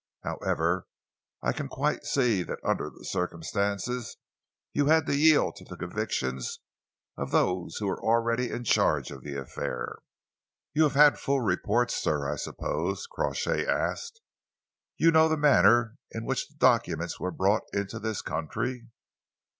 However, I can quite see that under the circumstances you had to yield to the convictions of those who were already in charge of the affair." "You have had full reports, sir, I suppose?" Crawshay asked. "You know the manner in which the documents were brought into this country?"